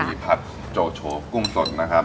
มีผัดโจโฉกุ้งสดนะครับ